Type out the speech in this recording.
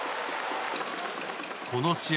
この試合